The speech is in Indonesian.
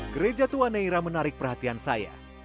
gereja tua neira menarik perhatian saya